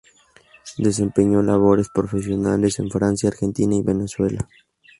Desempeñó labores profesionales en Francia, Argentina y Venezuela.